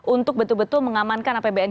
untuk betul betul mengamankan apbn